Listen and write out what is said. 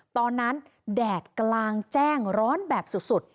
ตอนนั้นแดดกลางแจ้งร้อนแบบสุด